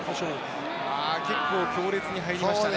結構強烈に入りましたね。